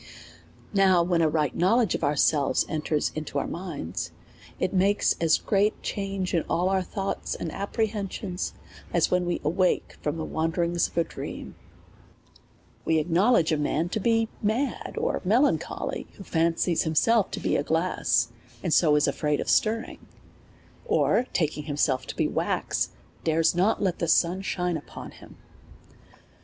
Now when a ri^ht knowledge of ourselves enters into our mind.«t, it makes as great a change in all our thoughts and apprehensions, as when wc awake from the wanderings of a dream. We acknowledge a man to be mad or melancholy, who fancies himself to be glass, and so is afraid of stirring ; or, taking himself to be wax, dare not let the sun shine upon him.